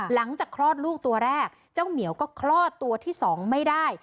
คลอดลูกตัวแรกเจ้าเหมียวก็คลอดตัวที่๒ไม่ได้